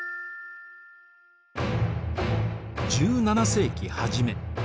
１７世紀初め